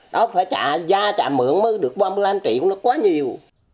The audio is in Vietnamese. đó phải trả gia trả mượn mới được ba mươi năm triệu nó quá nhiều